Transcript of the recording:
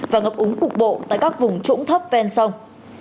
và ngập úng cục bộ tại các vùng trũng thấp ven sông